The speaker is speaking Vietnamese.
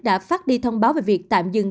đã phát đi thông báo về việc tạm dừng